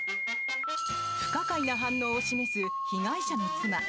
不可解な反応を示す被害者の妻。